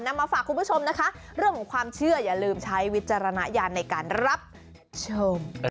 มาฝากคุณผู้ชมนะคะเรื่องของความเชื่ออย่าลืมใช้วิจารณญาณในการรับชม